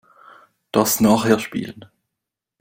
Das nachher spielen.